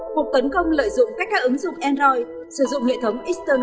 một tấn công lợi dụng cách các ứng dụng android sử dụng hệ thống eastern